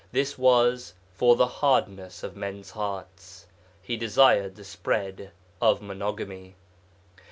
This was 'for the hardness of men's hearts'; he desired the spread of monogamy.